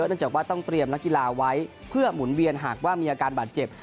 เนื่องจากว่าต้องเตรียมนักกีฬาไว้เพื่อหมุนเวียนหากว่ามีอาการบาดเจ็บ